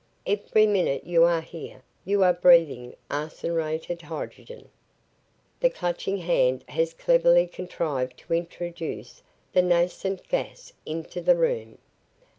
Every minute you are here, you are breathing arseniuretted hydrogen. The Clutching Hand has cleverly contrived to introduce the nascent gas into the room.